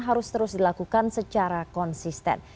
harus terus dilakukan secara konsisten